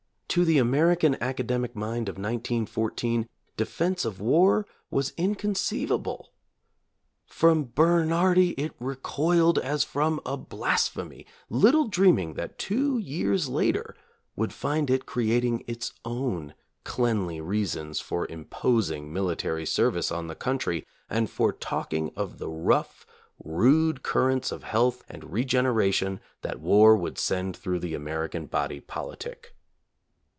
To the American academic mind of 1914 defense of war was inconceivable. From Bern hardi it recoiled as from a blasphemy, little dream ing that two years later would find it creating its own cleanly reasons for imposing military service on the country and for talking of the rough rude currents of health and regeneration that war would send through the American body politic.